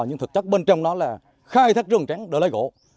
nhưng thật chất bên trong nó là khai thác rừng trắng để lấy gỗ